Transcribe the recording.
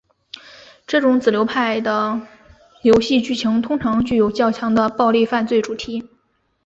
这种子流派的游戏剧情通常具有较强的暴力犯罪主题。